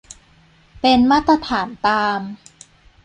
เป็นมาตรฐานตาม